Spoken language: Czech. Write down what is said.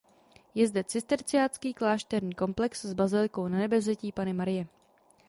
Je zde cisterciácký klášterní komplex s bazilikou Nanebevzetí Panny Marie.